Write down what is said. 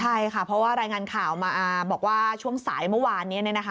ใช่ค่ะเพราะว่ารายงานข่าวมาบอกว่าช่วงสายเมื่อวานนี้